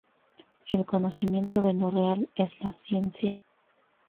El conocimiento de lo real es la ciencia.